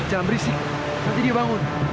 jangan berisik nanti dia bangun